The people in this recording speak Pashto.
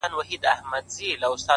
چي د وختونو له خدايانو څخه ساه واخلمه!!